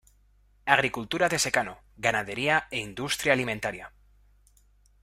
Agricultura de secano, ganadería e industria alimentaria.